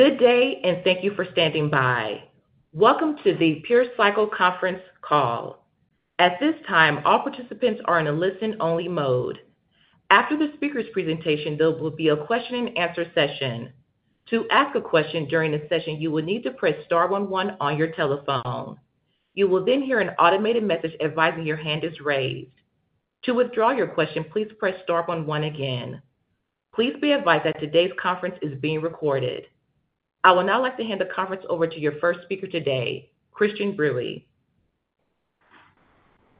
Good day, and thank you for standing by. Welcome to the PureCycle conference call. At this time, all participants are in a listen-only mode. After the speaker's presentation, there will be a question-and-answer session. To ask a question during the session, you will need to press star one one on your telephone. You will then hear an automated message advising your hand is raised. To withdraw your question, please press star one one again. Please be advised that today's conference is being recorded. I would now like to hand the conference over to your first speaker today, Christian Bruey.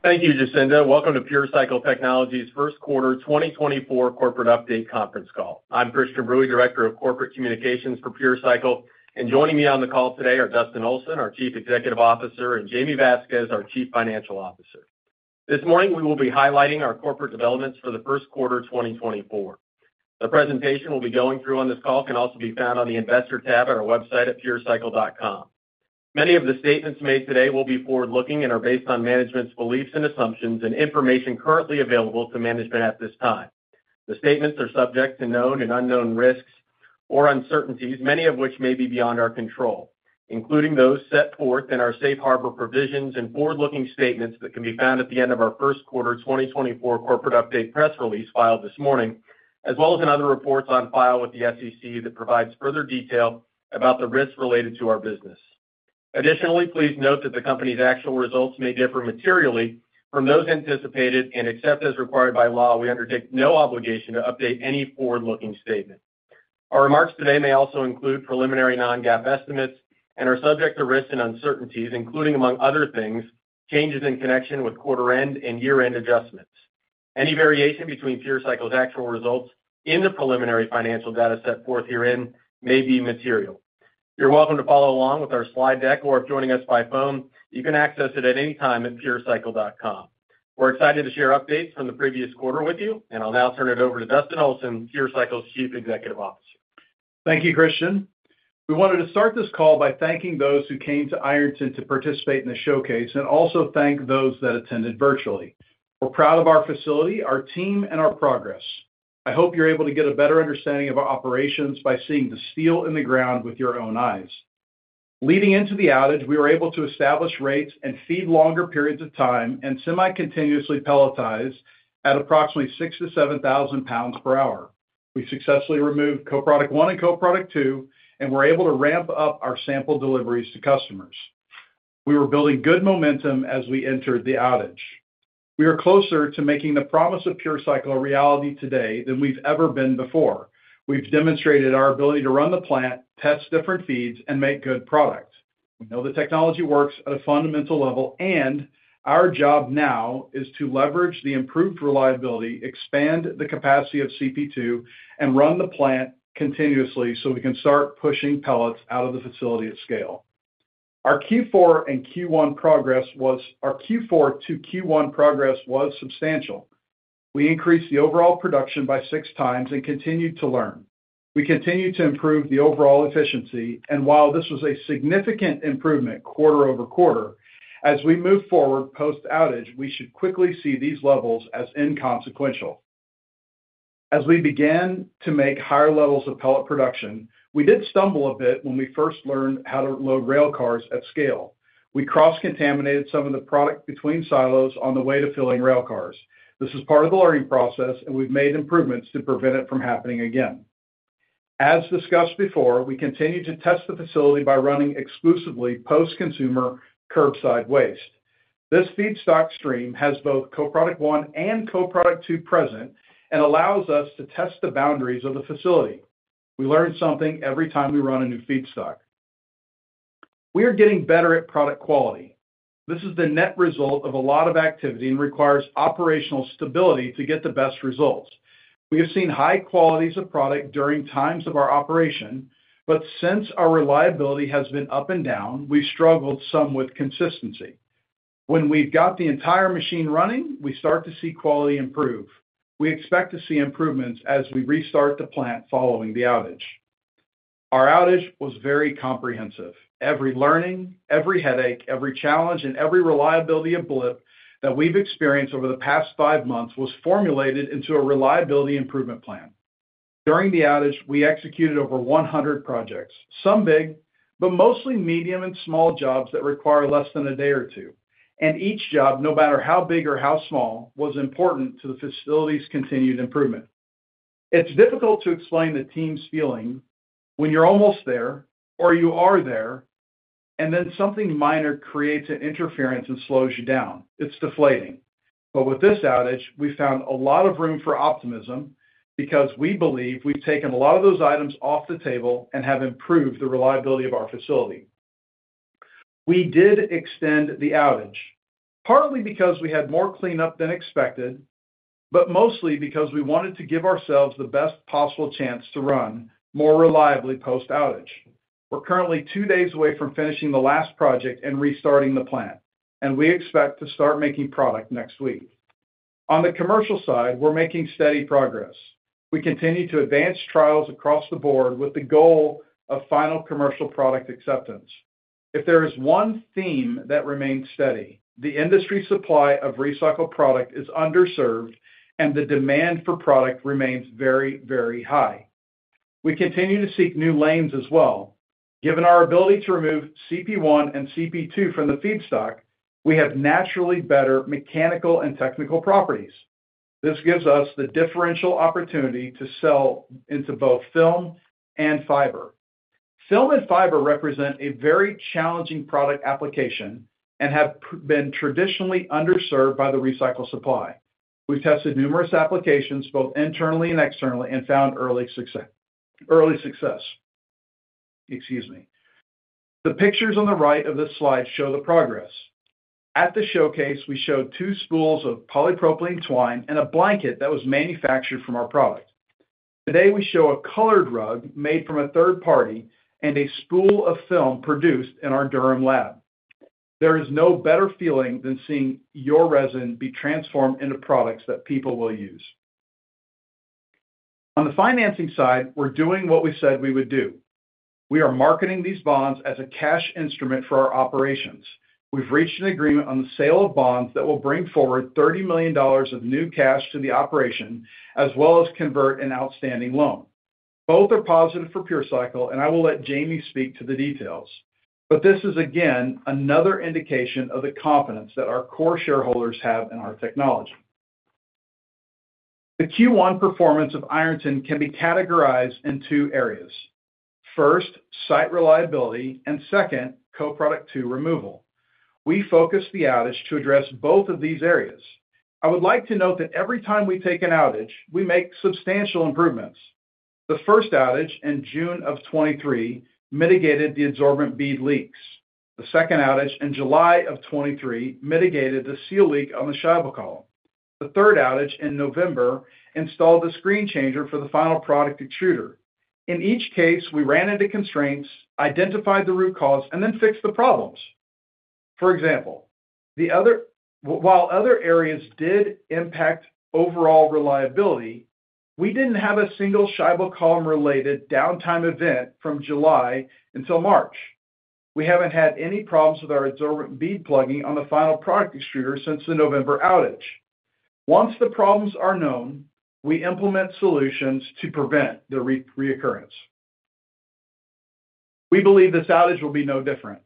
Thank you, Jacinda. Welcome to PureCycle Technologies' first quarter 2024 corporate update conference call. I'm Christian Bruey, Director of Corporate Communications for PureCycle, and joining me on the call today are Dustin Olson, our Chief Executive Officer, and Jaime Vasquez, our Chief Financial Officer. This morning, we will be highlighting our corporate developments for the first quarter 2024. The presentation we'll be going through on this call can also be found on the Investor tab at our website at purecycle.com. Many of the statements made today will be forward-looking and are based on management's beliefs and assumptions and information currently available to management at this time. The statements are subject to known and unknown risks or uncertainties, many of which may be beyond our control, including those set forth in our safe harbor provisions and forward-looking statements that can be found at the end of our first quarter 2024 corporate update press release filed this morning, as well as in other reports on file with the SEC that provides further detail about the risks related to our business. Additionally, please note that the company's actual results may differ materially from those anticipated, and except as required by law, we undertake no obligation to update any forward-looking statement. Our remarks today may also include preliminary non-GAAP estimates and are subject to risks and uncertainties, including, among other things, changes in connection with quarter-end and year-end adjustments. Any variation between PureCycle's actual results in the preliminary financial data set forth herein may be material. You're welcome to follow along with our slide deck, or if joining us by phone, you can access it at any time at purecycle.com. We're excited to share updates from the previous quarter with you, and I'll now turn it over to Dustin Olson, PureCycle's Chief Executive Officer. Thank you, Christian. We wanted to start this call by thanking those who came to Ironton to participate in the showcase and also thank those that attended virtually. We're proud of our facility, our team, and our progress. I hope you're able to get a better understanding of our operations by seeing the steel in the ground with your own eyes. Leading into the outage, we were able to establish rates and feed longer periods of time and semi-continuously pelletize at approximately 6,000-7,000 pounds per hour. We successfully removed co-product one and co-product two, and we're able to ramp up our sample deliveries to customers. We were building good momentum as we entered the outage. We are closer to making the promise of PureCycle a reality today than we've ever been before. We've demonstrated our ability to run the plant, test different feeds, and make good product. We know the technology works at a fundamental level, and our job now is to leverage the improved reliability, expand the capacity of CP2, and run the plant continuously so we can start pushing pellets out of the facility at scale. Our Q4-Q1 progress was substantial. We increased the overall production by six times and continued to learn. We continued to improve the overall efficiency, and while this was a significant improvement quarter over quarter, as we move forward post-outage, we should quickly see these levels as inconsequential. As we began to make higher levels of pellet production, we did stumble a bit when we first learned how to load rail cars at scale. We cross-contaminated some of the product between silos on the way to filling rail cars. This is part of the learning process, and we've made improvements to prevent it from happening again. As discussed before, we continue to test the facility by running exclusively post-consumer curbside waste. This feedstock stream has both Co-Product 1 and Co-Product 2 present and allows us to test the boundaries of the facility. We learn something every time we run a new feedstock. We are getting better at product quality. This is the net result of a lot of activity and requires operational stability to get the best results. We have seen high qualities of product during times of our operation, but since our reliability has been up and down, we've struggled some with consistency. When we've got the entire machine running, we start to see quality improve. We expect to see improvements as we restart the plant following the outage. Our outage was very comprehensive. Every learning, every headache, every challenge, and every reliability blip that we've experienced over the past five months was formulated into a reliability improvement plan. During the outage, we executed over 100 projects, some big, but mostly medium and small jobs that require less than a day or two, and each job, no matter how big or how small, was important to the facility's continued improvement. It's difficult to explain the team's feeling when you're almost there or you are there, and then something minor creates an interference and slows you down. It's deflating. But with this outage, we found a lot of room for optimism because we believe we've taken a lot of those items off the table and have improved the reliability of our facility. We did extend the outage, partly because we had more cleanup than expected, but mostly because we wanted to give ourselves the best possible chance to run more reliably post-outage. We're currently two days away from finishing the last project and restarting the plant, and we expect to start making product next week. On the commercial side, we're making steady progress. We continue to advance trials across the board with the goal of final commercial product acceptance. If there is one theme that remains steady, the industry supply of recycled product is underserved and the demand for product remains very, very high. We continue to seek new lanes as well. Given our ability to remove CP1 and CP2 from the feedstock, we have naturally better mechanical and technical properties. This gives us the differential opportunity to sell into both film and fiber. Film and fiber represent a very challenging product application and have been traditionally underserved by the recycled supply. We've tested numerous applications, both internally and externally, and found early success. Excuse me. The pictures on the right of this slide show the progress. At the showcase, we showed two spools of polypropylene twine and a blanket that was manufactured from our product. Today, we show a colored rug made from a third party and a spool of film produced in our Durham lab. There is no better feeling than seeing your resin be transformed into products that people will use. On the financing side, we're doing what we said we would do. We are marketing these bonds as a cash instrument for our operations. We've reached an agreement on the sale of bonds that will bring forward $30 million of new cash to the operation, as well as convert an outstanding loan. Both are positive for PureCycle, and I will let Jamie speak to the details. But this is, again, another indication of the confidence that our core shareholders have in our technology. The Q1 performance of Ironton can be categorized in two areas. First, site reliability, and second, Co-Product 2 removal. We focused the outage to address both of these areas. I would like to note that every time we take an outage, we make substantial improvements. The first outage in June of 2023 mitigated the adsorbent bead leaks. The second outage in July of 2023 mitigated the seal leak on the Scheibel column. The third outage in November installed a screen changer for the final product extruder. In each case, we ran into constraints, identified the root cause, and then fixed the problems. For example, while other areas did impact overall reliability, we didn't have a single Scheibel column-related downtime event from July until March. We haven't had any problems with our adsorbent bead plugging on the final product extruder since the November outage. Once the problems are known, we implement solutions to prevent the reoccurrence. We believe this outage will be no different.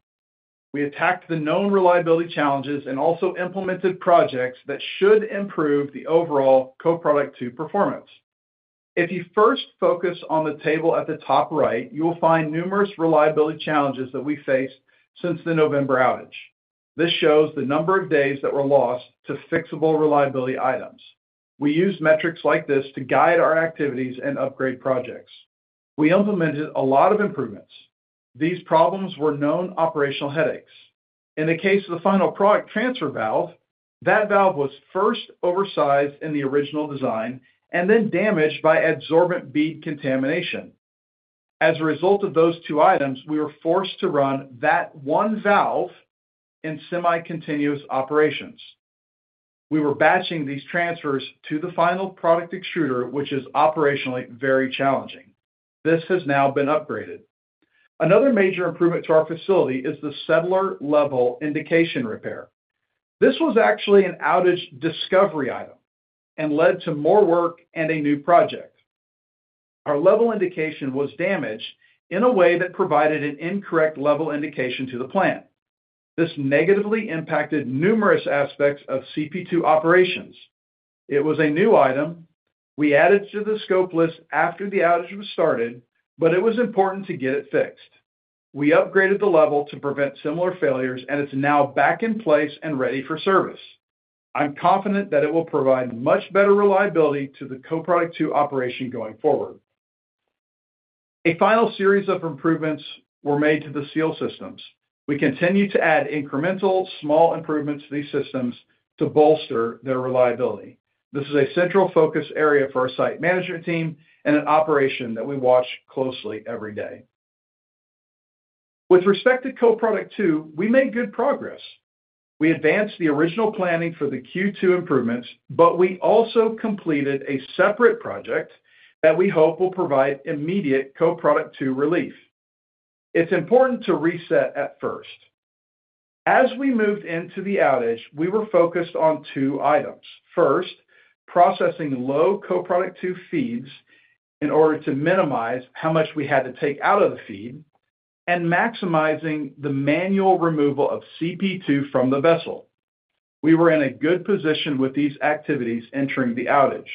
We attacked the known reliability challenges and also implemented projects that should improve the overall co-product two performance. If you first focus on the table at the top right, you will find numerous reliability challenges that we faced since the November outage. This shows the number of days that were lost to fixable reliability items. We use metrics like this to guide our activities and upgrade projects. We implemented a lot of improvements. These problems were known operational headaches. In the case of the final product transfer valve, that valve was first oversized in the original design and then damaged by adsorbent bead contamination. As a result of those two items, we were forced to run that one valve in semi-continuous operations. We were batching these transfers to the final product extruder, which is operationally very challenging. This has now been upgraded. Another major improvement to our facility is the settler level indication repair. This was actually an outage discovery item and led to more work and a new project. Our level indication was damaged in a way that provided an incorrect level indication to the plant. This negatively impacted numerous aspects of CP2 operations. It was a new item we added to the scope list after the outage was started, but it was important to get it fixed. We upgraded the level to prevent similar failures, and it's now back in place and ready for service. I'm confident that it will provide much better reliability to the Co-Product 2 operation going forward. A final series of improvements were made to the seal systems. We continue to add incremental, small improvements to these systems to bolster their reliability. This is a central focus area for our site management team and an operation that we watch closely every day. With respect to Co-Product 2, we made good progress. We advanced the original planning for the Q2 improvements, but we also completed a separate project that we hope will provide immediate Co-Product 2 relief. It's important to reset at first. As we moved into the outage, we were focused on two items. First, processing low co-product two feeds in order to minimize how much we had to take out of the feed, and maximizing the manual removal of CP2 from the vessel. We were in a good position with these activities entering the outage.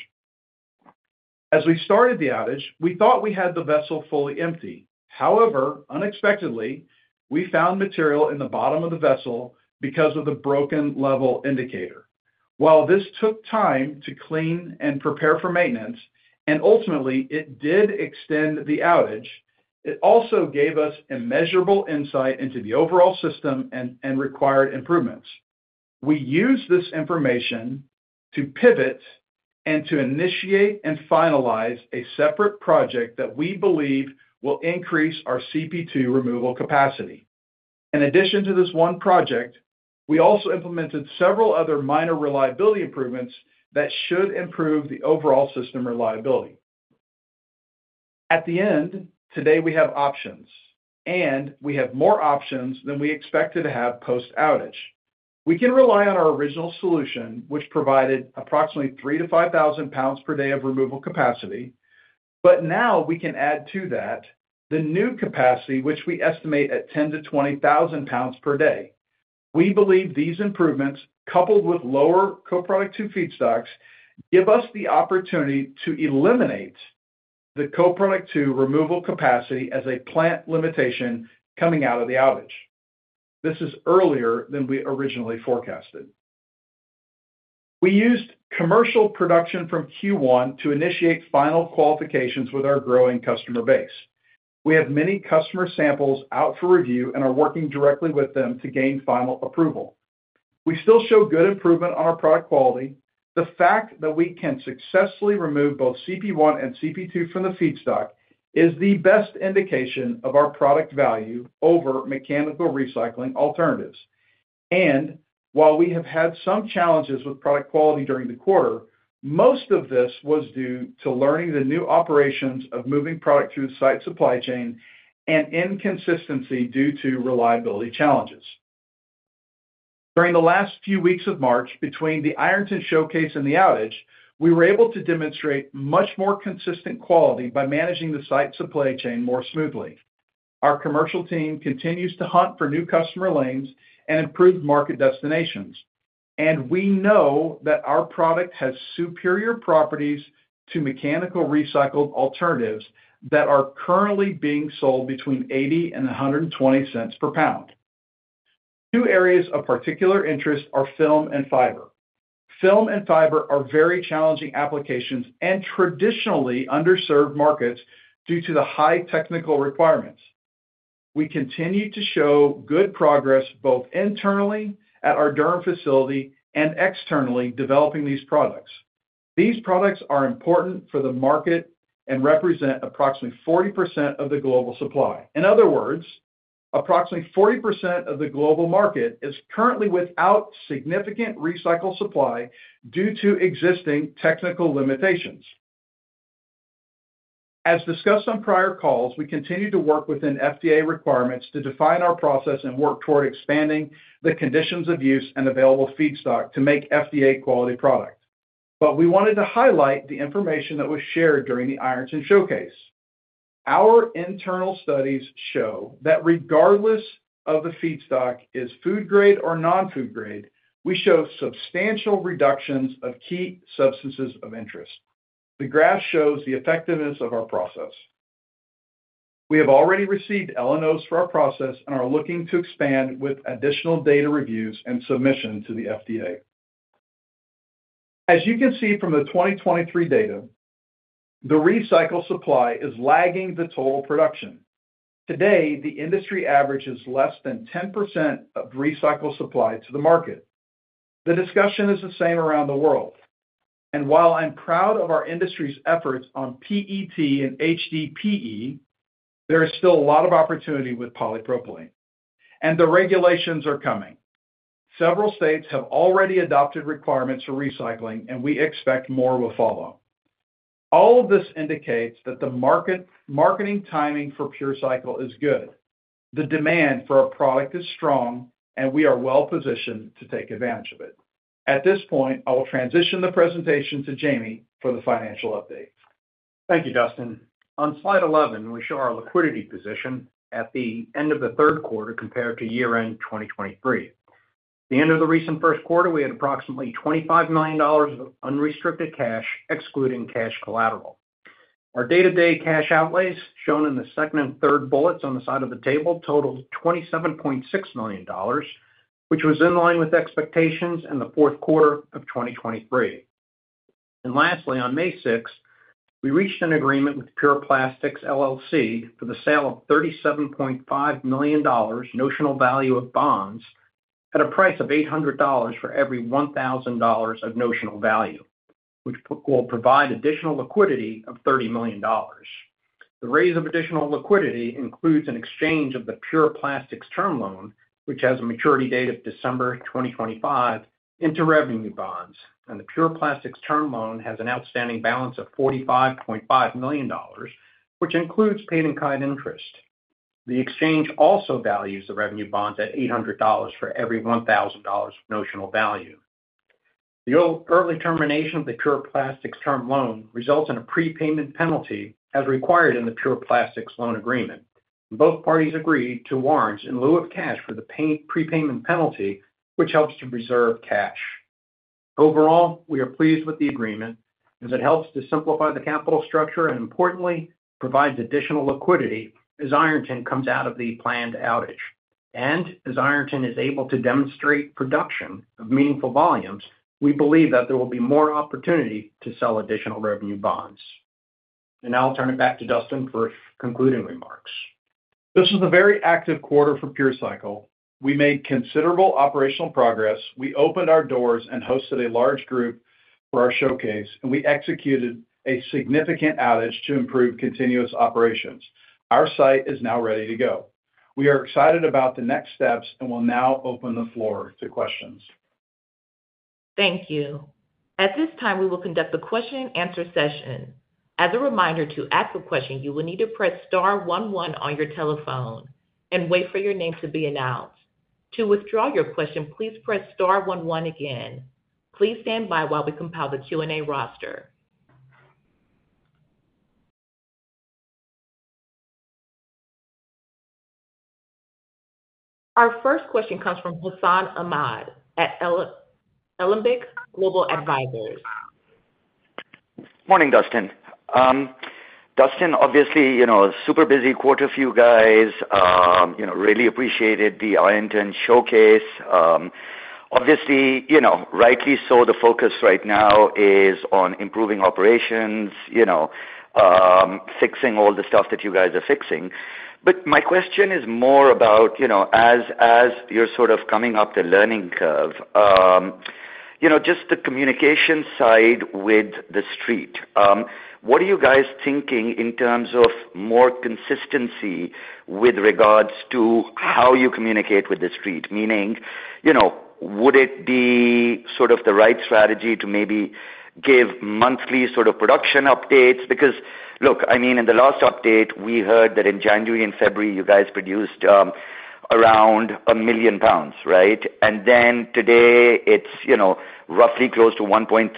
As we started the outage, we thought we had the vessel fully empty. However, unexpectedly, we found material in the bottom of the vessel because of the broken level indicator. While this took time to clean and prepare for maintenance, and ultimately it did extend the outage, it also gave us immeasurable insight into the overall system and required improvements. We used this information to pivot and to initiate and finalize a separate project that we believe will increase our CP2 removal capacity. In addition to this one project, we also implemented several other minor reliability improvements that should improve the overall system reliability. At the end, today, we have options, and we have more options than we expected to have post-outage. We can rely on our original solution, which provided approximately 3,000-5,000 pounds per day of removal capacity, but now we can add to that the new capacity, which we estimate at 10,000-20,000 pounds per day. We believe these improvements, coupled with lower Co-Product 2 feedstocks, give us the opportunity to eliminate the Co-Product 2 removal capacity as a plant limitation coming out of the outage. This is earlier than we originally forecasted. We used commercial production from Q1 to initiate final qualifications with our growing customer base. We have many customer samples out for review and are working directly with them to gain final approval. We still show good improvement on our product quality. The fact that we can successfully remove both CP1 and CP2 from the feedstock is the best indication of our product value over mechanical recycling alternatives. And while we have had some challenges with product quality during the quarter, most of this was due to learning the new operations of moving product through the site supply chain and inconsistency due to reliability challenges. During the last few weeks of March, between the Ironton Showcase and the outage, we were able to demonstrate much more consistent quality by managing the site supply chain more smoothly. Our commercial team continues to hunt for new customer lanes and improve market destinations, and we know that our product has superior properties to mechanical recycled alternatives that are currently being sold between $0.80 and $1.20 per pound. Two areas of particular interest are film and fiber. Film and fiber are very challenging applications and traditionally underserved markets due to the high technical requirements. We continue to show good progress, both internally at our Durham facility and externally, developing these products. These products are important for the market and represent approximately 40% of the global supply. In other words, approximately 40% of the global market is currently without significant recycled supply due to existing technical limitations. As discussed on prior calls, we continue to work within FDA requirements to define our process and work toward expanding the conditions of use and available feedstock to make FDA quality product. But we wanted to highlight the information that was shared during the Ironton Showcase. Our internal studies show that regardless of the feedstock is food grade or non-food grade, we show substantial reductions of key substances of interest. The graph shows the effectiveness of our process. We have already received LNOs for our process and are looking to expand with additional data reviews and submission to the FDA. As you can see from the 2023 data, the recycle supply is lagging the total production. Today, the industry average is less than 10% of recycled supply to the market. The discussion is the same around the world, and while I'm proud of our industry's efforts on PET and HDPE, there is still a lot of opportunity with polypropylene, and the regulations are coming. Several states have already adopted requirements for recycling, and we expect more will follow. All of this indicates that the market marketing timing for PureCycle is good. The demand for our product is strong, and we are well positioned to take advantage of it. At this point, I will transition the presentation to Jaime for the financial update. Thank you, Dustin. On slide 11, we show our liquidity position at the end of the third quarter compared to year-end 2023. At the end of the recent first quarter, we had approximately $25 million of unrestricted cash, excluding cash collateral. Our day-to-day cash outlays, shown in the second and third bullets on the slide of the table, totaled $27.6 million, which was in line with expectations in the fourth quarter of 2023. Lastly, on May sixth, we reached an agreement with Pure Plastic LLC for the sale of $37.5 million notional value of bonds at a price of $800 for every $1,000 of notional value, which will provide additional liquidity of $30 million. The raise of additional liquidity includes an exchange of the Pure Plastics term loan, which has a maturity date of December 2025, into revenue bonds, and the Pure Plastics term loan has an outstanding balance of $45.5 million, which includes paid in kind interest. The exchange also values the revenue bonds at $800 for every $1,000 notional value. The early termination of the Pure Plastics term loan results in a prepayment penalty, as required in the Pure Plastics loan agreement. Both parties agreed to warrants in lieu of cash for the prepayment penalty, which helps to preserve cash. Overall, we are pleased with the agreement as it helps to simplify the capital structure, and importantly, provides additional liquidity as Ironton comes out of the planned outage. As Ironton is able to demonstrate production of meaningful volumes, we believe that there will be more opportunity to sell additional revenue bonds. Now I'll turn it back to Dustin for concluding remarks. This was a very active quarter for PureCycle. We made considerable operational progress. We opened our doors and hosted a large group for our showcase, and we executed a significant outage to improve continuous operations. Our site is now ready to go. We are excited about the next steps and will now open the floor to questions. Thank you. At this time, we will conduct a question-and-answer session. As a reminder, to ask a question, you will need to press star one one on your telephone and wait for your name to be announced. To withdraw your question, please press star one one again. Please stand by while we compile the Q&A roster. Our first question comes from Hassan Ahmed at Alembic Global Advisors. Morning, Dustin. Dustin, obviously, you know, super busy quarter for you guys. You know, really appreciated the Ironton showcase. Obviously, you know, rightly so, the focus right now is on improving operations, you know, fixing all the stuff that you guys are fixing. But my question is more about, you know, as you're sort of coming up the learning curve, you know, just the communication side with the street. What are you guys thinking in terms of more consistency with regards to how you communicate with the street? Meaning, you know, would it be sort of the right strategy to maybe give monthly sort of production updates? Because, look, I mean, in the last update, we heard that in January and February, you guys produced, around 1,000,000 pounds, right? And then today it's, you know, roughly close to 1.3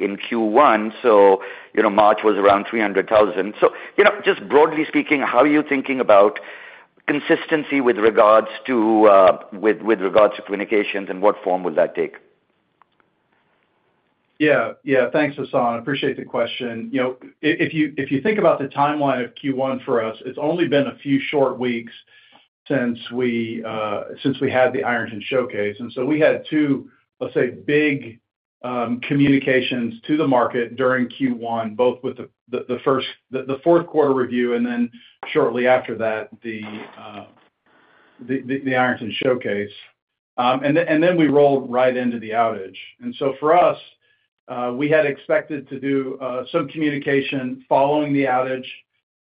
in Q1, so, you know, March was around 300,000. So, you know, just broadly speaking, how are you thinking about consistency with regards to communications, and what form would that take? Yeah, yeah. Thanks, Hassan. Appreciate the question. You know, if you think about the timeline of Q1 for us, it's only been a few short weeks since we had the Ironton Showcase. And so we had two, let's say, big communications to the market during Q1, both with the fourth quarter review, and then shortly after that, the Ironton Showcase. And then we rolled right into the outage. And so for us, we had expected to do some communication following the outage,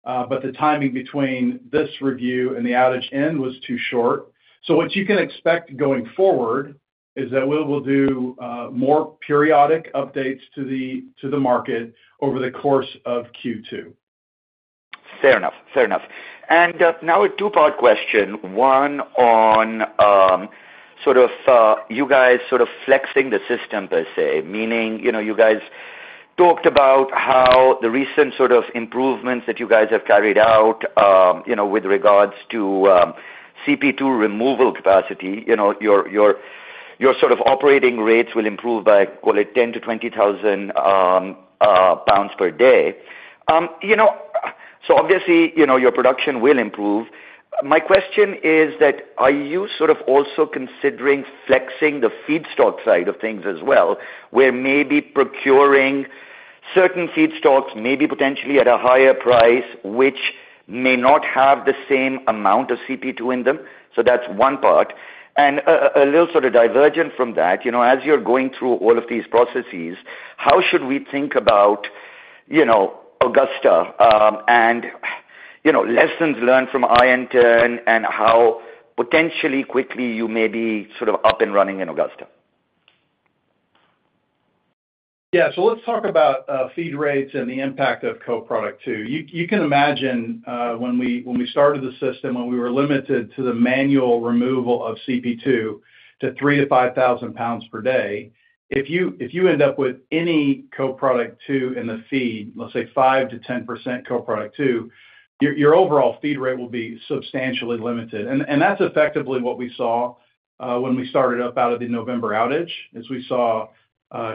but the timing between this review and the outage end was too short. So what you can expect going forward is that we will do more periodic updates to the market over the course of Q2. Fair enough. And, now a two-part question, one on, sort of, you guys sort of flexing the system, per se, meaning, you know, you guys talked about how the recent sort of improvements that you guys have carried out, you know, with regards to, CP2 removal capacity, you know, your, your, your sort of operating rates will improve by, call it, 10,000-20,000 pounds per day. You know, so obviously, you know, your production will improve. My question is that, are you sort of also considering flexing the feedstock side of things as well, where maybe procuring certain feedstocks, maybe potentially at a higher price, which may not have the same amount of CP2 in them? So that's one part. And a little sort of divergent from that, you know, as you're going through all of these processes, how should we think about, you know, Augusta, and, you know, lessons learned from Ironton, and how potentially quickly you may be sort of up and running in Augusta? Yeah, so let's talk about feed rates and the impact of co-product 2. You can imagine when we started the system, when we were limited to the manual removal of CP2 to 3,000-5,000 pounds per day, if you end up with any Co-Product 2 in the feed, let's say 5%-10% Co-Product 2, your overall feed rate will be substantially limited. And that's effectively what we saw when we started up out of the November outage: we saw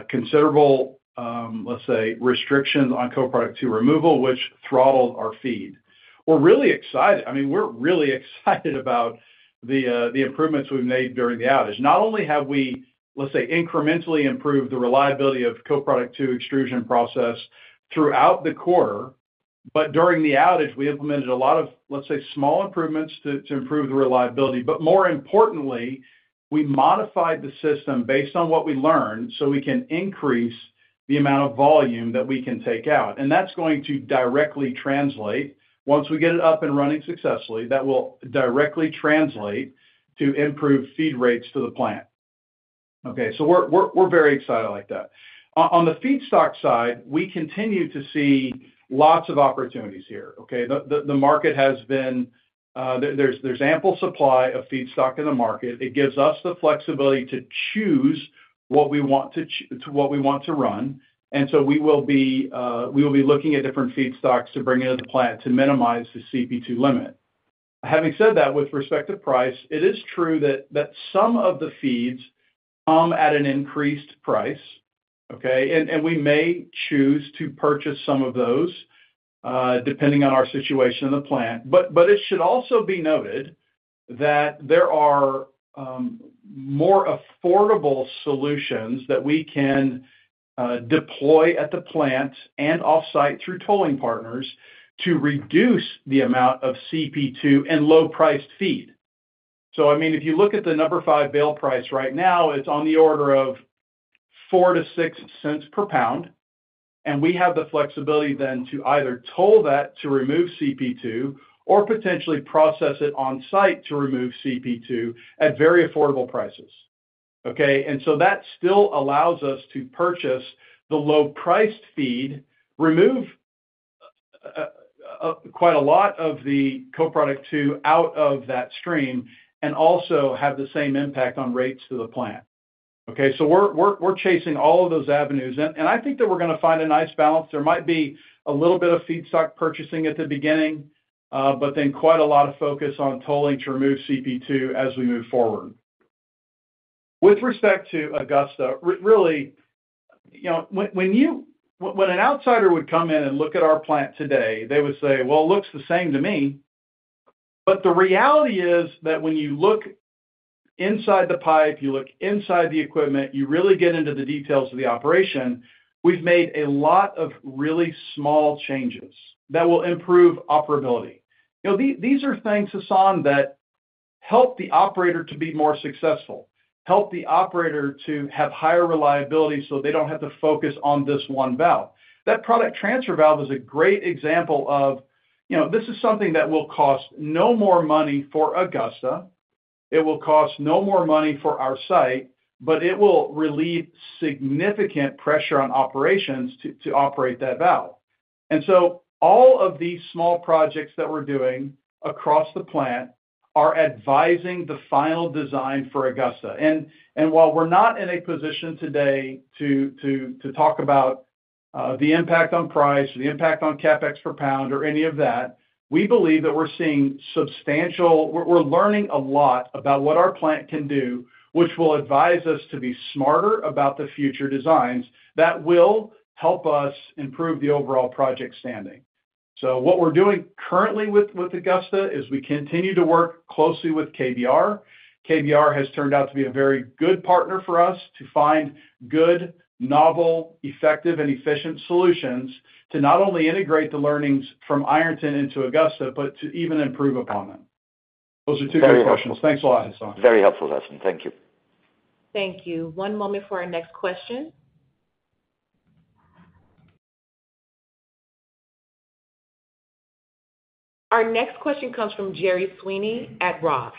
considerable, let's say, restrictions on Co-Product 2 removal, which throttled our feed. We're really excited. I mean, we're really excited about the improvements we've made during the outage. Not only have we, let's say, incrementally improved the reliability of Co-Product 2 extrusion process throughout the quarter, but during the outage, we implemented a lot of, let's say, small improvements to improve the reliability. But more importantly, we modified the system based on what we learned, so we can increase the amount of volume that we can take out, and that's going to directly translate. Once we get it up and running successfully, that will directly translate to improved feed rates to the plant. Okay, so we're very excited like that. On the feedstock side, we continue to see lots of opportunities here, okay? The market has been, there's ample supply of feedstock in the market. It gives us the flexibility to choose what we want to run, and so we will be looking at different feedstocks to bring into the plant to minimize the CP2 limit. Having said that, with respect to price, it is true that some of the feeds come at an increased price, okay? And we may choose to purchase some of those, depending on our situation in the plant. But it should also be noted that there are more affordable solutions that we can deploy at the plant and off-site through tolling partners to reduce the amount of CP2 and low-priced feed. So I mean, if you look at the Number 5 bale price right now, it's on the order of $0.04-$0.06 per pound. and we have the flexibility then to either toll that to remove CP2 or potentially process it on-site to remove CP2 at very affordable prices, okay? And so that still allows us to purchase the low-priced feed, remove quite a lot of the co-product two out of that stream, and also have the same impact on rates to the plant. Okay, so we're chasing all of those avenues. And I think that we're gonna find a nice balance. There might be a little bit of feedstock purchasing at the beginning, but then quite a lot of focus on tolling to remove CP2 as we move forward. With respect to Augusta, really, you know, when an outsider would come in and look at our plant today, they would say, "Well, it looks the same to me." But the reality is that when you look inside the pipe, you look inside the equipment, you really get into the details of the operation, we've made a lot of really small changes that will improve operability. You know, these are things, Hassan, that help the operator to be more successful, help the operator to have higher reliability so they don't have to focus on this one valve. That product transfer valve is a great example of, you know, this is something that will cost no more money for Augusta. It will cost no more money for our site, but it will relieve significant pressure on operations to operate that valve. And so all of these small projects that we're doing across the plant are advising the final design for Augusta. While we're not in a position today to talk about the impact on price or the impact on CapEx per pound or any of that, we believe that we're learning a lot about what our plant can do, which will advise us to be smarter about the future designs that will help us improve the overall project standing. So what we're doing currently with Augusta is we continue to work closely with KBR. KBR has turned out to be a very good partner for us to find good, novel, effective, and efficient solutions to not only integrate the learnings from Ironton into Augusta, but to even improve upon them. Those are two good questions. Thanks a lot, Hassan. Very helpful, Dustin. Thank you. Thank you. One moment for our next question. Our next question comes from Jerry Sweeney at Roth.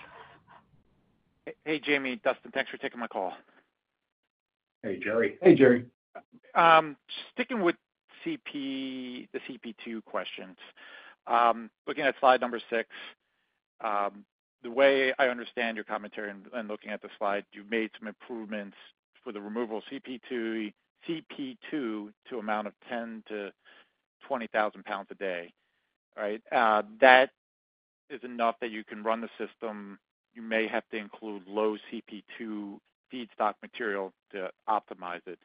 Hey, Jaime, Dustin, thanks for taking my call. Hey, Jerry. Hey, Jerry. Sticking with CP, the CP2 questions. Looking at slide number six, the way I understand your commentary and, and looking at the slide, you've made some improvements for the removal of CP2, CP2 to amount of 10,000-20,000 pounds a day. Right? That is enough that you can run the system. You may have to include low CP2 feedstock material to optimize it,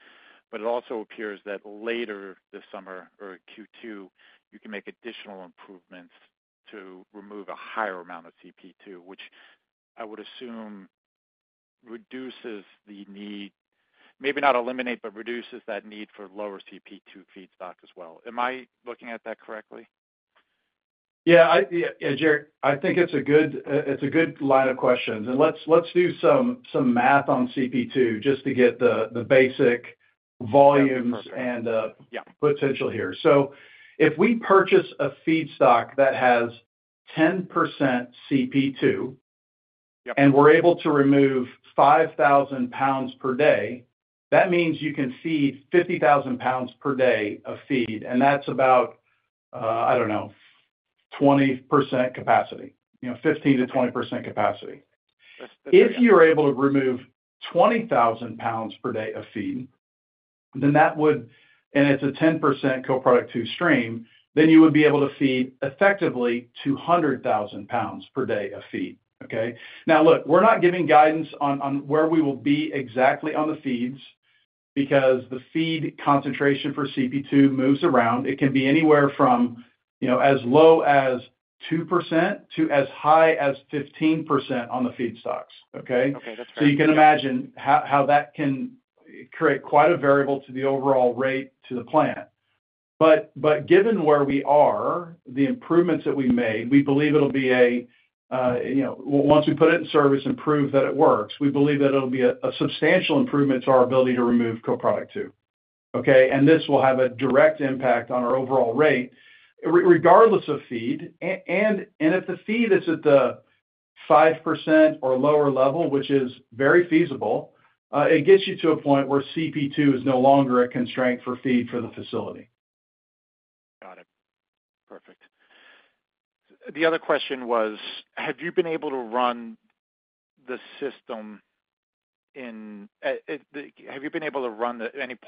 but it also appears that later this summer or Q2, you can make additional improvements to remove a higher amount of CP2, which I would assume reduces the need, maybe not eliminate, but reduces that need for lower CP2 feedstock as well. Am I looking at that correctly? Yeah, Jerry, I think it's a good line of questions. And let's do some math on CP2, just to get the basic volumes- Perfect. - and, Yeah... potential here. So if we purchase a feedstock that has 10% CP2- Yep... and we're able to remove 5,000 pounds per day, that means you can feed 50,000 pounds per day of feed, and that's about, I don't know, 20% capacity. You know, 15%-20% capacity. That's, that's right. If you're able to remove 20,000 pounds per day of feed, then that would, and it's a 10% Co-Product 2 stream, then you would be able to feed effectively 200,000 pounds per day of feed, okay? Now, look, we're not giving guidance on where we will be exactly on the feeds, because the feed concentration for CP2 moves around. It can be anywhere from, you know, as low as 2% to as high as 15% on the feedstocks, okay? Okay, that's fair. So you can imagine how that can create quite a variable to the overall rate to the plant. But given where we are, the improvements that we made, we believe it'll be a, you know, once we put it in service and prove that it works, we believe that it'll be a substantial improvement to our ability to remove Co-Product 2, okay? And this will have a direct impact on our overall rate, regardless of feed. And if the feed is at the 5% or lower level, which is very feasible, it gets you to a point where CP2 is no longer a constraint for feed for the facility. Got it. Perfect. The other question was, have you been able to run any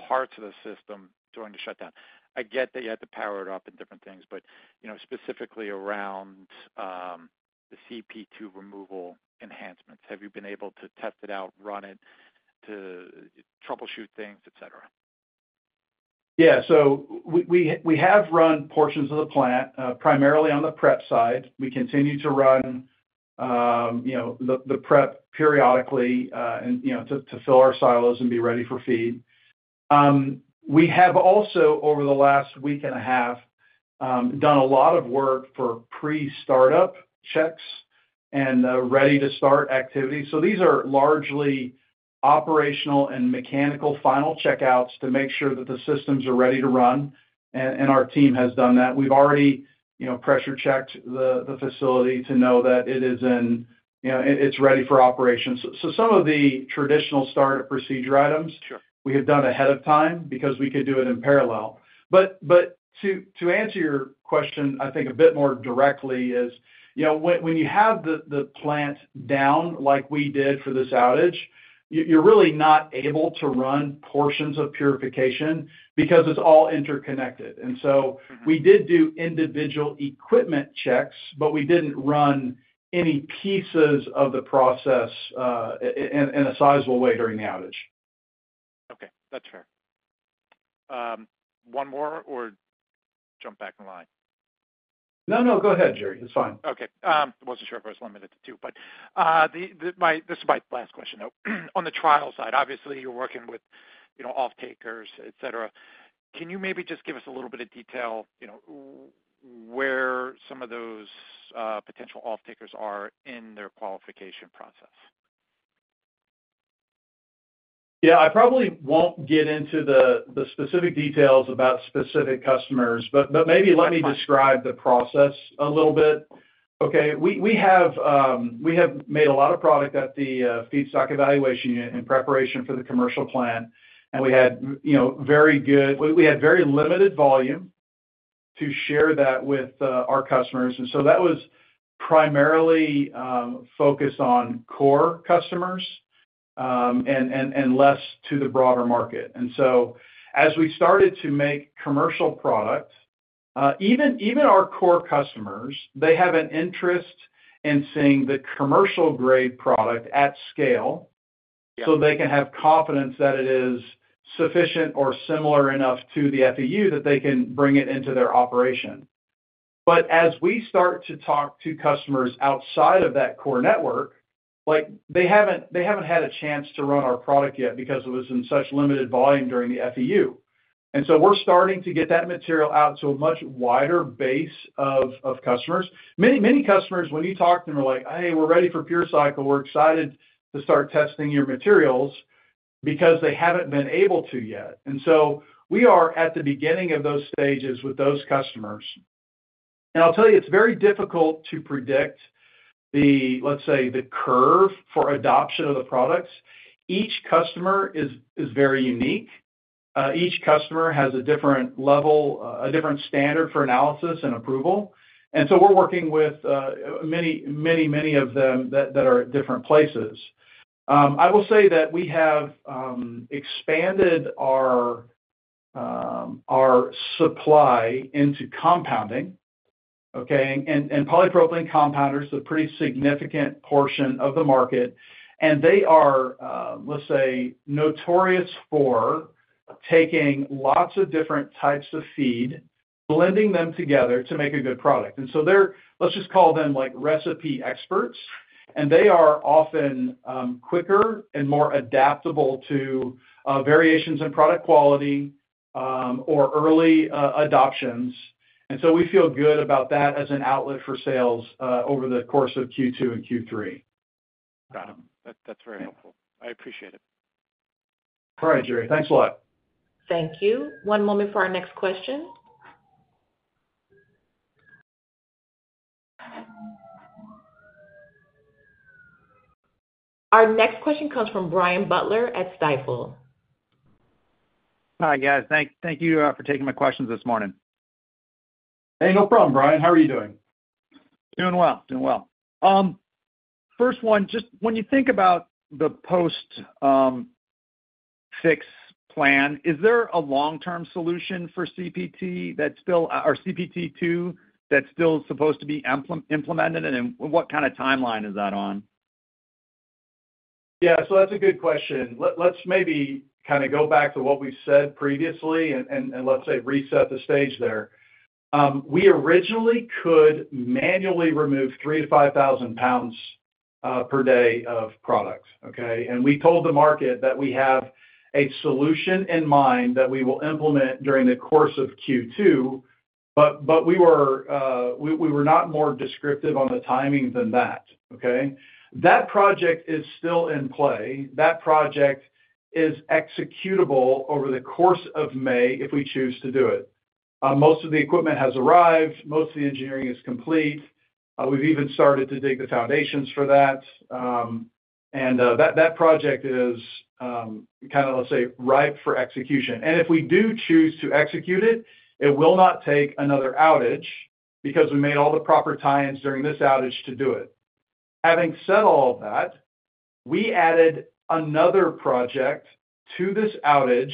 parts of the system during the shutdown? I get that you had to power it up and different things, but, you know, specifically around the CP2 removal enhancements, have you been able to test it out, run it, to troubleshoot things, et cetera? Yeah. So we have run portions of the plant, primarily on the prep side. We continue to run, you know, the prep periodically, and, you know, to fill our silos and be ready for feed. We have also, over the last week and a half, done a lot of work for pre-startup checks and ready to start activity. So these are largely operational and mechanical final checkouts to make sure that the systems are ready to run, and our team has done that. We've already, you know, pressure checked the facility to know that it is in, you know, it is ready for operation. So some of the traditional startup procedure items- Sure. - we have done ahead of time because we could do it in parallel. But to answer your question, I think a bit more directly is, you know, when you have the plant down like we did for this outage, you're really not able to run portions of purification because it's all interconnected. And so we did do individual equipment checks, but we didn't run any pieces of the process, in a sizable way during the outage. Okay, that's fair. One more, or jump back in line? No, no, go ahead, Jerry. It's fine. Okay. I wasn't sure if I was limited to two, but this is my last question, though. On the trial side, obviously, you're working with, you know, off-takers, et cetera. Can you maybe just give us a little bit of detail, you know, where some of those potential off-takers are in their qualification process? Yeah, I probably won't get into the specific details about specific customers, but maybe let me describe the process a little bit. Okay, we have made a lot of product at the feedstock evaluation unit in preparation for the commercial plan, and we had, you know, very good—we had very limited volume to share that with our customers, and so that was primarily focused on core customers, and less to the broader market. And so as we started to make commercial product, even our core customers, they have an interest in seeing the commercial-grade product at scale- Yeah So they can have confidence that it is sufficient or similar enough to the FEU that they can bring it into their operation. But as we start to talk to customers outside of that core network, like, they haven't, they haven't had a chance to run our product yet because it was in such limited volume during the FEU. And so we're starting to get that material out to a much wider base of, of customers. Many, many customers, when you talk to them, are like, "Hey, we're ready for PureCycle. We're excited to start testing your materials," because they haven't been able to yet. And so we are at the beginning of those stages with those customers. And I'll tell you, it's very difficult to predict the, let's say, the curve for adoption of the products. Each customer is, is very unique. Each customer has a different level, a different standard for analysis and approval. And so we're working with, many, many, many of them that are at different places. I will say that we have expanded our supply into compounding, okay? And polypropylene compounders are a pretty significant portion of the market, and they are, let's say, notorious for taking lots of different types of feed, blending them together to make a good product. And so they're... Let's just call them, like, recipe experts, and they are often, quicker and more adaptable to, variations in product quality, or early adoptions, and so we feel good about that as an outlet for sales, over the course of Q2 and Q3. Got it. That, that's very helpful. I appreciate it. All right, Jerry. Thanks a lot. Thank you. One moment for our next question. Our next question comes from Brian Butler at Stifel. Hi, guys. Thank you for taking my questions this morning. Hey, no problem, Brian. How are you doing? Doing well. Doing well. First one, just when you think about the post-fix plan, is there a long-term solution for CP2 or CP1 that's still supposed to be implemented, and then what kind of timeline is that on? Yeah, so that's a good question. Let's maybe kind of go back to what we've said previously and let's say, reset the stage there. We originally could manually remove 3-5,000 pounds per day of product, okay? And we told the market that we have a solution in mind that we will implement during the course of Q2, but we were not more descriptive on the timing than that, okay? That project is still in play. That project is executable over the course of May, if we choose to do it. Most of the equipment has arrived. Most of the engineering is complete. We've even started to dig the foundations for that. And that project is kind of, let's say, ripe for execution. And if we do choose to execute it, it will not take another outage because we made all the proper tie-ins during this outage to do it. Having said all of that, we added another project to this outage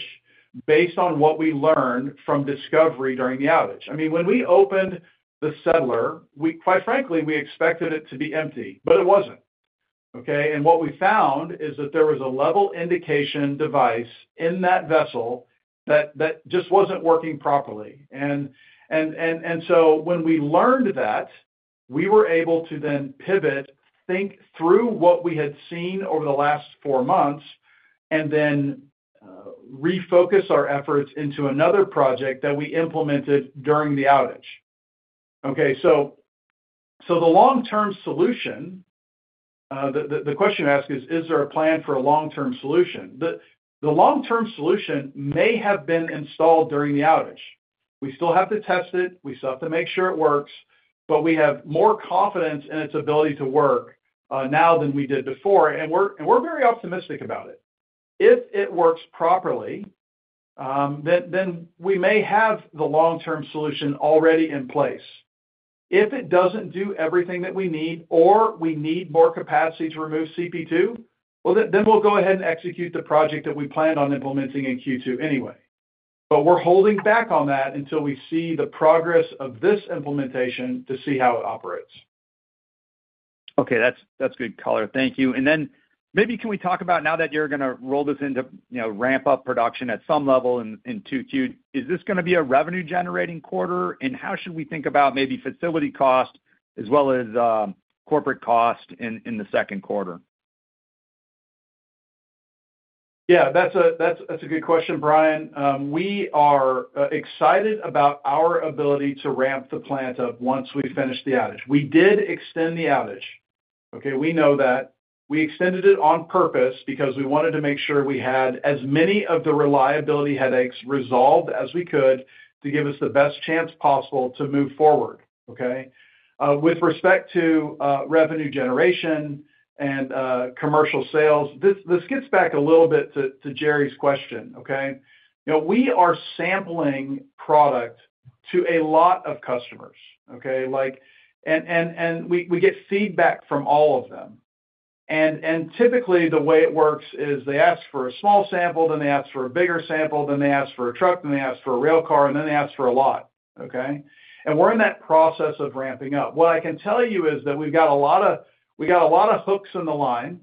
based on what we learned from discovery during the outage. I mean, when we opened the settler, we quite frankly expected it to be empty, but it wasn't, okay? And what we found is that there was a level indication device in that vessel that just wasn't working properly. And so when we learned that, we were able to then pivot, think through what we had seen over the last four months, and then refocus our efforts into another project that we implemented during the outage. Okay, so the long-term solution, the question you asked is, is there a plan for a long-term solution? The long-term solution may have been installed during the outage. We still have to test it, we still have to make sure it works, but we have more confidence in its ability to work now than we did before, and we're very optimistic about it. If it works properly, then we may have the long-term solution already in place. If it doesn't do everything that we need, or we need more capacity to remove CP2, well, then we'll go ahead and execute the project that we planned on implementing in Q2 anyway. But we're holding back on that until we see the progress of this implementation to see how it operates. Okay, that's, that's good, color. Thank you. And then maybe can we talk about now that you're gonna roll this into, you know, ramp up production at some level in 2Q, is this gonna be a revenue-generating quarter? And how should we think about maybe facility cost as well as corporate cost in the second quarter? Yeah, that's a, that's, that's a good question, Brian. We are excited about our ability to ramp the plant up once we finish the outage. We did extend the outage. Okay? We know that. We extended it on purpose because we wanted to make sure we had as many of the reliability headaches resolved as we could to give us the best chance possible to move forward, okay? With respect to revenue generation and commercial sales, this gets back a little bit to Jerry's question, okay? You know, we are sampling product to a lot of customers, okay? Like, and we get feedback from all of them. Typically, the way it works is they ask for a small sample, then they ask for a bigger sample, then they ask for a truck, then they ask for a rail car, and then they ask for a lot, okay? We're in that process of ramping up. What I can tell you is that we've got a lot of hooks in the line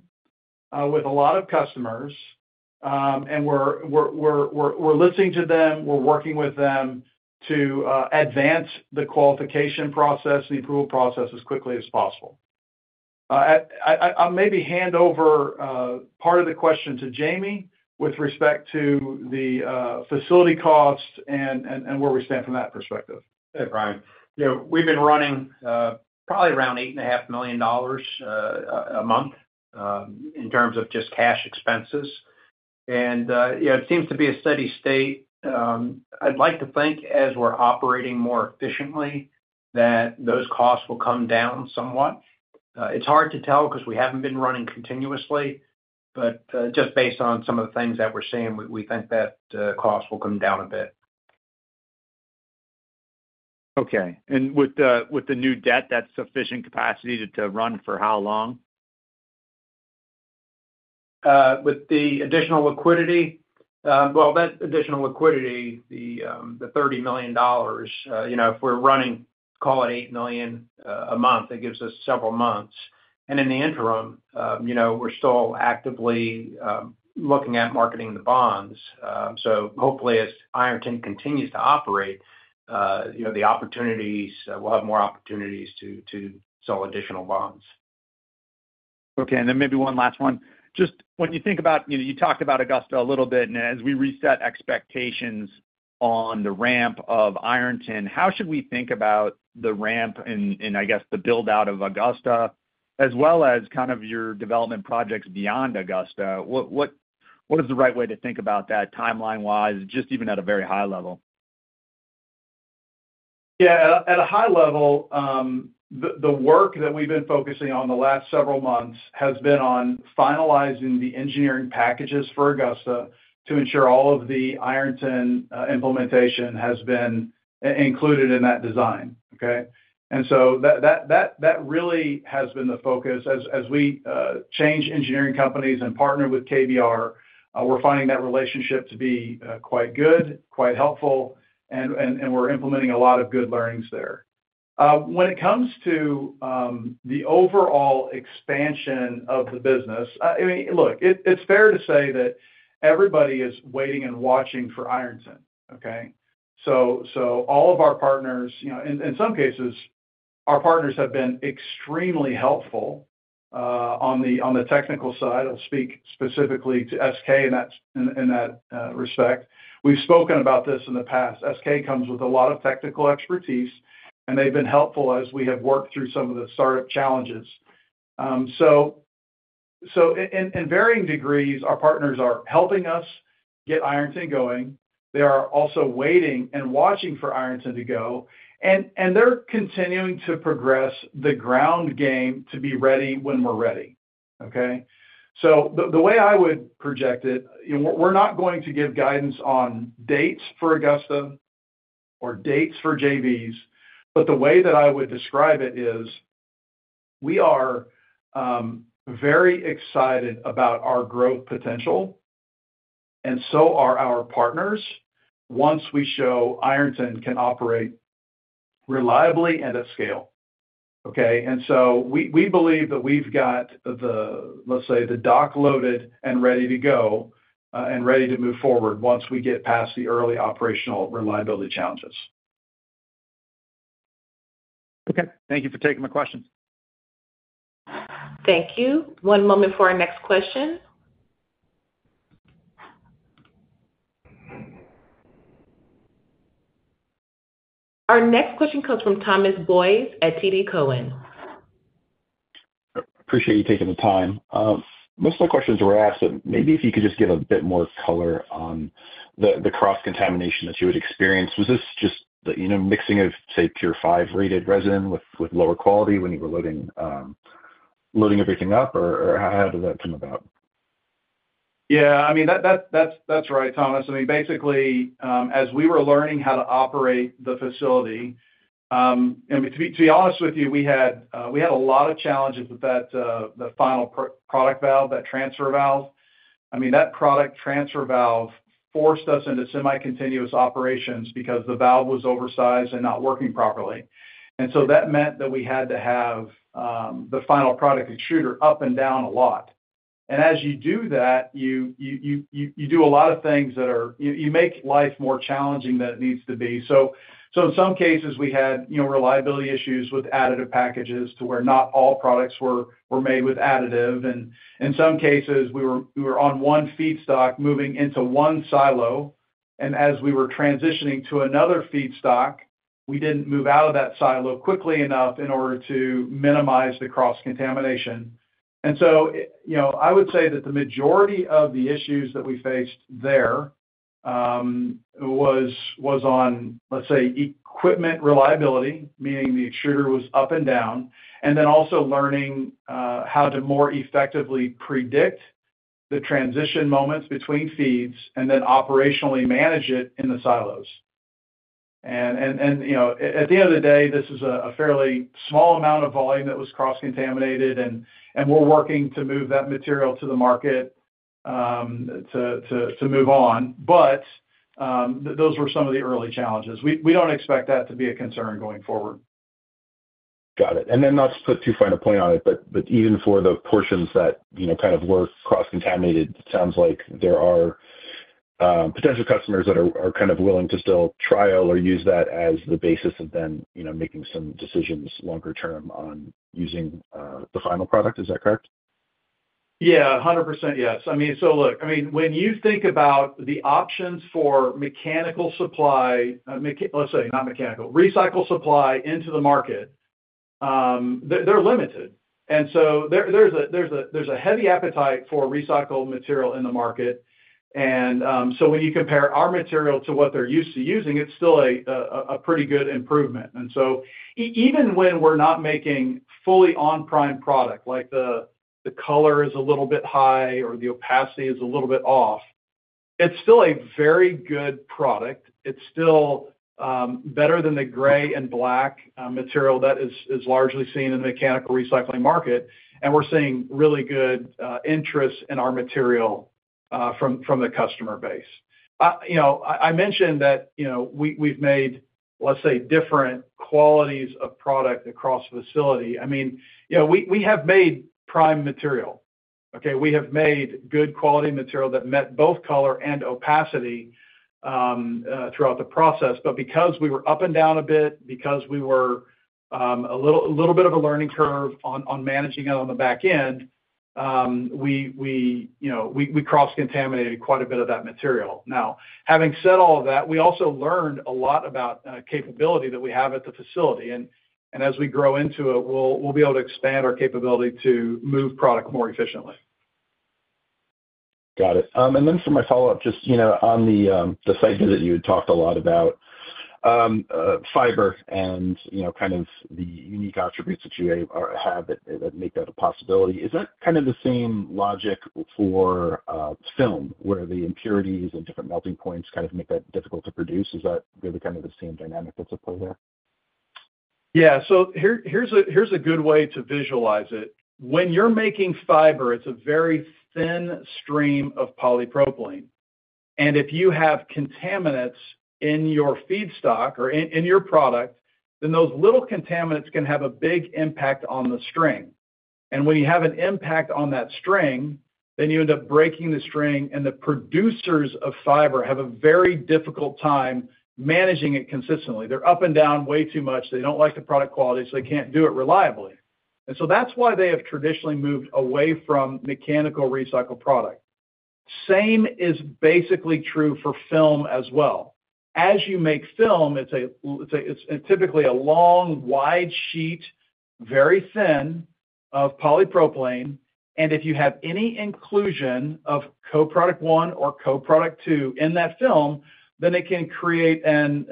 with a lot of customers, and we're listening to them, we're working with them to advance the qualification process, the approval process, as quickly as possible. I'll maybe hand over part of the question to Jaime with respect to the facility costs and where we stand from that perspective. Hey, Brian. You know, we've been running, probably around $8.5 million a month, in terms of just cash expenses. And, you know, it seems to be a steady state. I'd like to think, as we're operating more efficiently, that those costs will come down somewhat. It's hard to tell 'cause we haven't been running continuously, but, just based on some of the things that we're seeing, we think that costs will come down a bit. Okay. With the new debt, that's sufficient capacity to run for how long? With the additional liquidity? Well, that additional liquidity, the $30 million, you know, if we're running, call it $8 million a month, that gives us several months. And in the interim, you know, we're still actively looking at marketing the bonds. So hopefully, as Ironton continues to operate, you know, the opportunities, we'll have more opportunities to, to sell additional bonds. Okay, and then maybe one last one. Just when you think about, you know, you talked about Augusta a little bit, and as we reset expectations on the ramp of Ironton, how should we think about the ramp and, and I guess the build-out of Augusta, as well as kind of your development projects beyond Augusta? What, what, what is the right way to think about that, timeline-wise, just even at a very high level? Yeah. At a high level, the work that we've been focusing on the last several months has been on finalizing the engineering packages for Augusta to ensure all of the Ironton implementation has been included in that design, okay? And so that really has been the focus. As we change engineering companies and partner with KBR, we're finding that relationship to be quite good, quite helpful, and we're implementing a lot of good learnings there. When it comes to the overall expansion of the business, I mean, look, it's fair to say that everybody is waiting and watching for Ironton, okay? So all of our partners. You know, in some cases, our partners have been extremely helpful on the technical side. I'll speak specifically to SK in that respect. We've spoken about this in the past. SK comes with a lot of technical expertise, and they've been helpful as we have worked through some of the startup challenges. So in varying degrees, our partners are helping us get Ironton going. They are also waiting and watching for Ironton to go, and they're continuing to progress the ground game to be ready when we're ready, okay? So the way I would project it, you know, we're not going to give guidance on dates for Augusta or dates for JVs, but the way that I would describe it is, we are very excited about our growth potential, and so are our partners, once we show Ironton can operate reliably and at scale, okay? And so we, we believe that we've got the, let's say, the dock loaded and ready to go, and ready to move forward once we get past the early operational reliability challenges.... Okay. Thank you for taking my questions. Thank you. One moment for our next question. Our next question comes from Thomas Boyes at TD Cowen. Appreciate you taking the time. Most of my questions were asked, but maybe if you could just give a bit more color on the cross-contamination that you had experienced. Was this just the, you know, mixing of, say, tier 5 rated resin with lower quality when you were loading everything up, or how did that come about? Yeah, I mean, that's right, Thomas. I mean, basically, as we were learning how to operate the facility, and to be honest with you, we had a lot of challenges with that, the final product valve, that transfer valve. I mean, that product transfer valve forced us into semi-continuous operations because the valve was oversized and not working properly. And so that meant that we had to have the final product extruder up and down a lot. And as you do that, you do a lot of things that are - you make life more challenging than it needs to be. So in some cases, we had, you know, reliability issues with additive packages to where not all products were made with additive. And in some cases, we were on one feedstock moving into one silo, and as we were transitioning to another feedstock, we didn't move out of that silo quickly enough in order to minimize the cross-contamination. And so, you know, I would say that the majority of the issues that we faced there was on, let's say, equipment reliability, meaning the extruder was up and down, and then also learning how to more effectively predict the transition moments between feeds and then operationally manage it in the silos. And, you know, at the end of the day, this is a fairly small amount of volume that was cross-contaminated, and we're working to move that material to the market to move on. But those were some of the early challenges. We don't expect that to be a concern going forward. Got it. And then not to put too fine a point on it, but even for the portions that, you know, kind of, were cross-contaminated, it sounds like there are potential customers that are kind of willing to still trial or use that as the basis of then, you know, making some decisions longer term on using the final product. Is that correct? Yeah, 100% yes. I mean, so look, I mean, when you think about the options for mechanical supply, let's say, not mechanical, recycle supply into the market, they're, they're limited. And so there, there's a heavy appetite for recycled material in the market. And, so when you compare our material to what they're used to using, it's still a pretty good improvement. And so even when we're not making fully on-prime product, like the color is a little bit high or the opacity is a little bit off, it's still a very good product. It's still better than the gray and black material that is largely seen in the mechanical recycling market, and we're seeing really good interest in our material from the customer base. You know, I mentioned that, you know, we, we've made, let's say, different qualities of product across the facility. I mean, you know, we have made prime material, okay? We have made good quality material that met both color and opacity throughout the process. But because we were up and down a bit, because we were a little bit of a learning curve on managing it on the back end, you know, we cross-contaminated quite a bit of that material. Now, having said all of that, we also learned a lot about capability that we have at the facility, and as we grow into it, we'll be able to expand our capability to move product more efficiently. Got it. And then for my follow-up, just, you know, on the site visit, you had talked a lot about fiber and, you know, kind of the unique attributes that you have that make that a possibility. Is that kind of the same logic for film, where the impurities and different melting points kind of make that difficult to produce? Is that really kind of the same dynamic that's at play there? Yeah. So here, here's a good way to visualize it. When you're making fiber, it's a very thin stream of polypropylene, and if you have contaminants in your feedstock or in your product, then those little contaminants can have a big impact on the string. And when you have an impact on that string, then you end up breaking the string, and the producers of fiber have a very difficult time managing it consistently. They're up and down way too much. They don't like the product quality, so they can't do it reliably. And so that's why they have traditionally moved away from mechanically recycled product. Same is basically true for film as well. As you make film, it's a, it's typically a long, wide sheet, very thin, of polypropylene, and if you have any inclusion of Co-Product 1 or Co-Product 2 in that film, then it can create an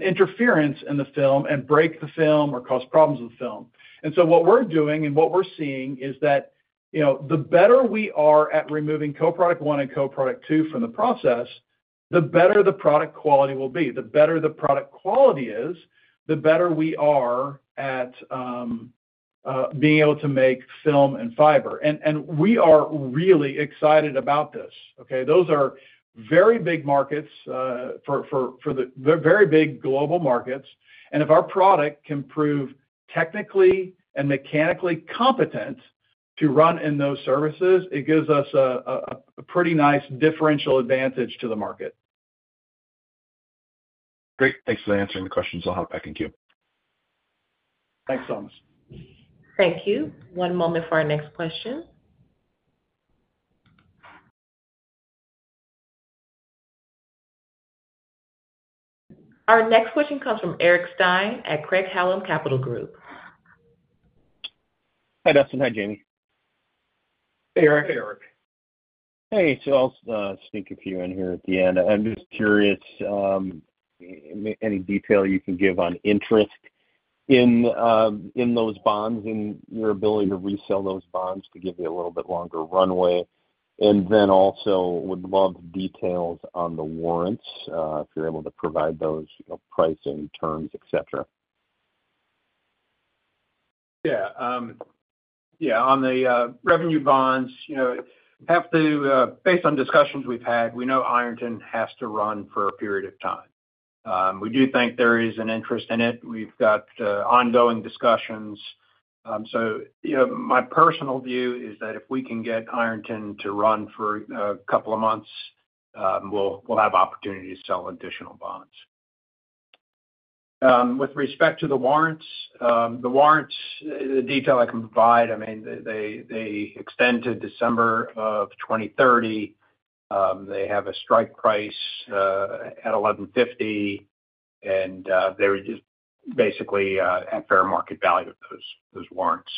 interference in the film and break the film or cause problems with the film. And so what we're doing and what we're seeing is that, you know, the better we are at removing Co-Product 1 and Co-Product 2 from the process, the better the product quality will be. The better the product quality is, the better we are at being able to make film and fiber. And we are really excited about this, okay? Those are very big markets for the very big global markets, and if our product can prove technically and mechanically competent to run in those services, it gives us a pretty nice differential advantage to the market. Great. Thanks for answering the questions. I'll hop back in queue. Thanks, Thomas. Thank you. One moment for our next question. Our next question comes from Eric Stine at Craig-Hallum Capital Group. Hi, Dustin. Hi, Jaime. Hey, Eric. Hey, so I'll sneak a few in here at the end. I'm just curious, any detail you can give on interest in those bonds and your ability to resell those bonds to give you a little bit longer runway? And then also, would love details on the warrants, if you're able to provide those, you know, pricing terms, et cetera. Yeah. Yeah, on the revenue bonds, you know, have to based on discussions we've had, we know Ironton has to run for a period of time. We do think there is an interest in it. We've got ongoing discussions. So, you know, my personal view is that if we can get Ironton to run for a couple of months, we'll have opportunity to sell additional bonds. With respect to the warrants, the warrants, the detail I can provide, I mean, they extend to December of 2030. They have a strike price at $11.50, and they're just basically at fair market value of those warrants.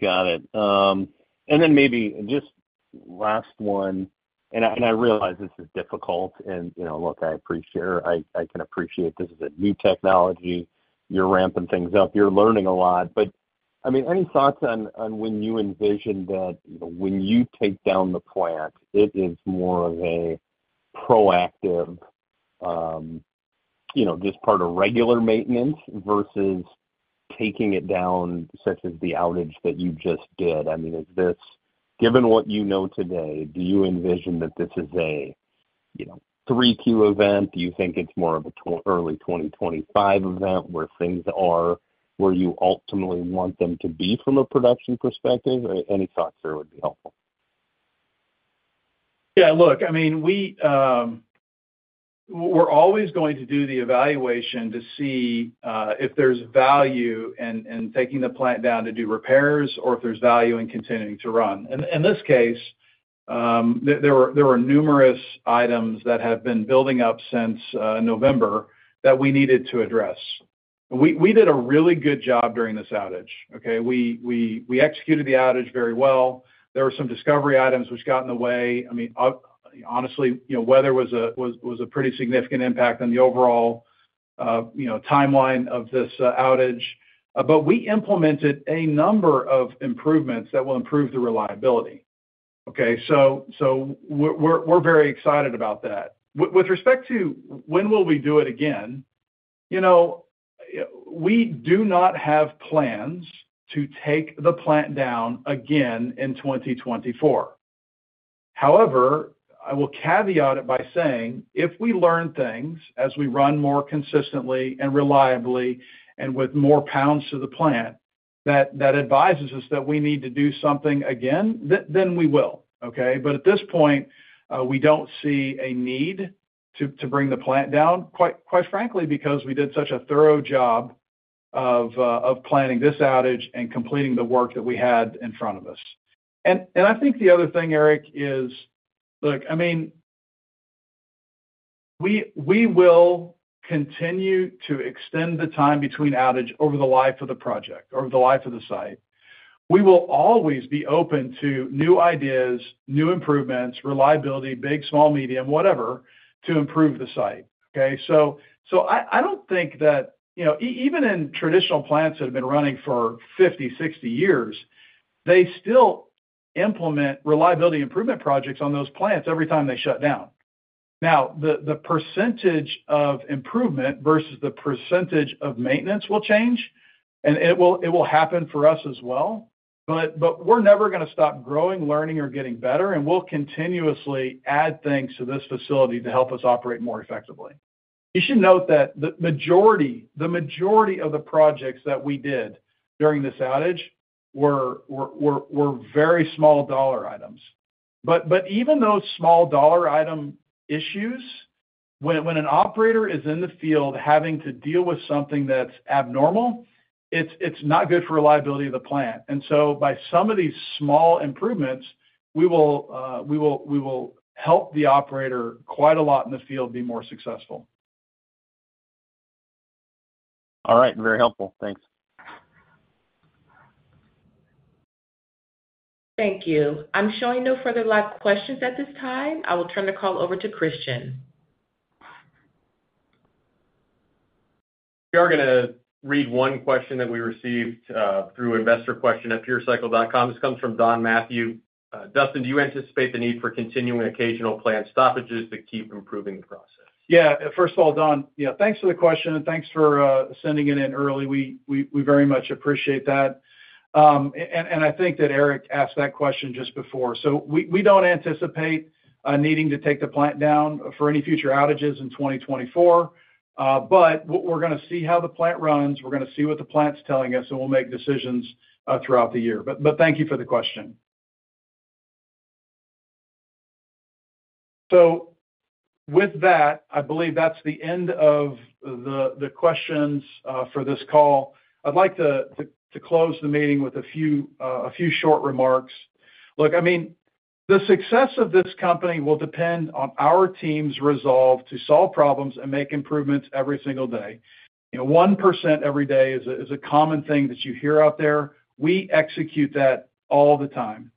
Got it. And then maybe just last one, and I realize this is difficult, and, you know, look, I appreciate her. I can appreciate this is a new technology. You're ramping things up, you're learning a lot. But, I mean, any thoughts on, on when you envision that, you know, when you take down the plant, it is more of a proactive, you know, just part of regular maintenance versus taking it down, such as the outage that you just did. I mean, is this... Given what you know today, do you envision that this is a, you know, 3-2 event? Do you think it's more of a early 2025 event, where things are, where you ultimately want them to be from a production perspective? Any thoughts there would be helpful. Yeah, look, I mean, we're always going to do the evaluation to see if there's value in taking the plant down to do repairs or if there's value in continuing to run. In this case, there were numerous items that have been building up since November that we needed to address. We did a really good job during this outage, okay? We executed the outage very well. There were some discovery items which got in the way. I mean, honestly, you know, weather was a pretty significant impact on the overall, you know, timeline of this outage. But we implemented a number of improvements that will improve the reliability, okay? So we're very excited about that. With respect to when will we do it again, you know, we do not have plans to take the plant down again in 2024. However, I will caveat it by saying, if we learn things as we run more consistently and reliably and with more pounds to the plant, that advises us that we need to do something again, then we will, okay? But at this point, we don't see a need to bring the plant down, quite frankly, because we did such a thorough job of planning this outage and completing the work that we had in front of us. And I think the other thing, Eric, is, look, I mean, we will continue to extend the time between outage over the life of the project, over the life of the site. We will always be open to new ideas, new improvements, reliability, big, small, medium, whatever, to improve the site, okay? So, I don't think that, you know, even in traditional plants that have been running for 50, 60 years, they still implement reliability improvement projects on those plants every time they shut down. Now, the percentage of improvement versus the percentage of maintenance will change, and it will happen for us as well. But we're never gonna stop growing, learning, or getting better, and we'll continuously add things to this facility to help us operate more effectively. You should note that the majority of the projects that we did during this outage were very small dollar items. But even those small dollar item issues, when an operator is in the field having to deal with something that's abnormal, it's not good for reliability of the plant. And so by some of these small improvements, we will help the operator quite a lot in the field, be more successful. All right. Very helpful. Thanks. Thank you. I'm showing no further live questions at this time. I will turn the call over to Christian. We are gonna read one question that we received through investorquestion@purecycle.com. This comes from Don Matthew. "Dustin, do you anticipate the need for continuing occasional plant stoppages to keep improving the process? Yeah. First of all, Don, you know, thanks for the question, and thanks for sending it in early. We very much appreciate that. I think that Eric asked that question just before. So we don't anticipate needing to take the plant down for any future outages in 2024. But we're gonna see how the plant runs, we're gonna see what the plant's telling us, and we'll make decisions throughout the year. But thank you for the question. So with that, I believe that's the end of the questions for this call. I'd like to close the meeting with a few short remarks. Look, I mean, the success of this company will depend on our team's resolve to solve problems and make improvements every single day. You know, 1% every day is a, is a common thing that you hear out there. We execute that all the time.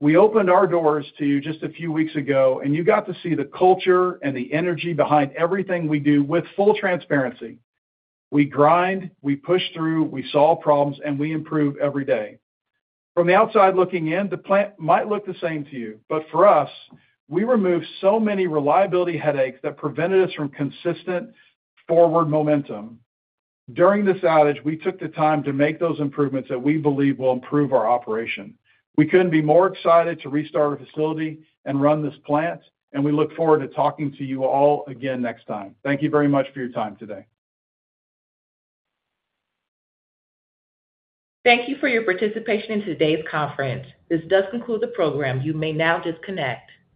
We opened our doors to you just a few weeks ago, and you got to see the culture and the energy behind everything we do with full transparency. We grind, we push through, we solve problems, and we improve every day. From the outside looking in, the plant might look the same to you, but for us, we removed so many reliability headaches that prevented us from consistent forward momentum. During this outage, we took the time to make those improvements that we believe will improve our operation. We couldn't be more excited to restart our facility and run this plant, and we look forward to talking to you all again next time. Thank you very much for your time today. Thank you for your participation in today's conference. This does conclude the program. You may now disconnect.